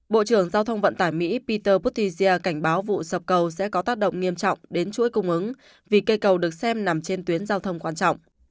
bộ trưởng giao thông vận tải mỹ peter potizia cảnh báo vụ sập cầu sẽ có tác động nghiêm trọng đến chuỗi cung ứng vì cây cầu được xem nằm trên tuyến giao thông quan trọng